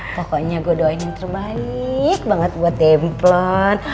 pokoknya gue doain yang terbaik banget buat demplon